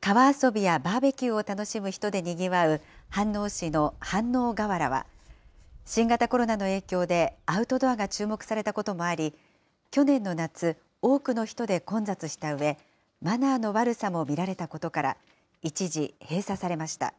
川遊びやバーベキューを楽しむ人でにぎわう飯能市の飯能河原は、新型コロナの影響で、アウトドアが注目されたこともあり、去年の夏、多くの人で混雑したうえ、マナーの悪さも見られたことから、一時、閉鎖されました。